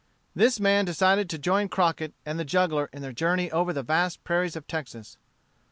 This man decided to join Crockett and the juggler in their journey over the vast prairies of Texas.